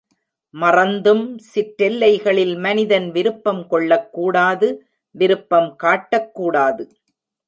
மறந்தும் சிற்றெல்லைகளில் மனிதன் விருப்பம் கொள்ளக்கூடாது விருப்பம் காட்டக்கூடாது.